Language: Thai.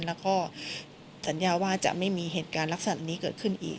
แล้วก็สัญญาว่าจะไม่มีเหตุการณ์ลักษณะนี้เกิดขึ้นอีก